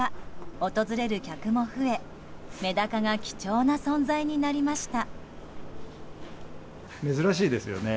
訪れる客も増えメダカが貴重な存在になりました。